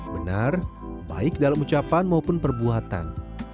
benar baik dalam ucapan maupun perbuatan